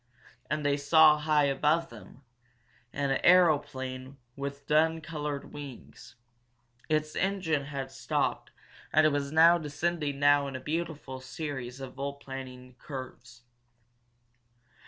And they saw, high above them, an aeroplane with dun colored wings. Its engine had stopped and it was descending now in a beautiful series of volplaning curves.